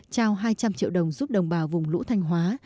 trao hai trăm linh triệu đồng giúp đồng bào vùng lũ thanh hóa